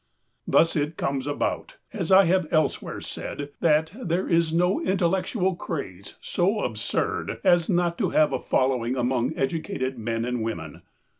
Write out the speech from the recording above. Thus it comes about, as I have elsewhere said, that " there is no intellectual craze so absurd as not to have a following among educated men and women.